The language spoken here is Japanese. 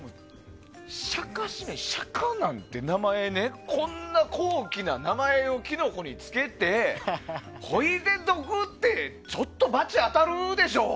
シャカシメジシャカなんて名前こんな高貴な名前をキノコにつけてほいで、毒ってちょっとばち当たるでしょ。